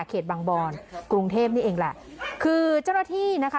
บางบอนกรุงเทพนี่เองแหละคือเจ้าหน้าที่นะคะ